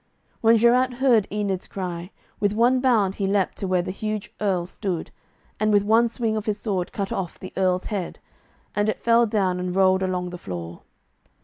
When Geraint heard Enid's cry, with one bound he leaped to where the huge Earl stood, and with one swing of his sword cut off the Earl's head, and it fell down and rolled along the floor.